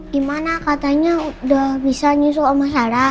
gimana katanya udah bisa nyusul sama salah